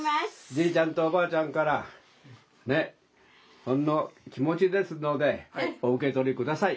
じいちゃんとおばあちゃんからほんの気持ちですのでお受け取り下さい。